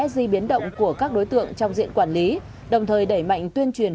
di biến động của các đối tượng trong diện quản lý đồng thời đẩy mạnh tuyên truyền